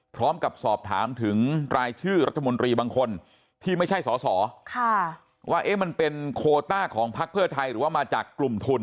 พร้อมกับสอบถามถึงรายชื่อรัฐมนตรีบางคนที่ไม่ใช่สอสอว่ามันเป็นโคต้าของพักเพื่อไทยหรือว่ามาจากกลุ่มทุน